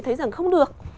thấy rằng không được